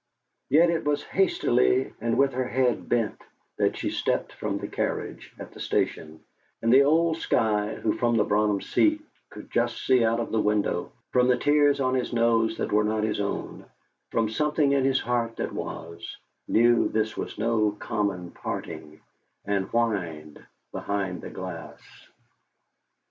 Yet it was hastily and with her head bent that she stepped from the carriage at the station, and the old Skye, who from the brougham seat could just see out of the window, from the tears on his nose that were not his own, from something in his heart that was, knew this was no common parting and whined behind the glass.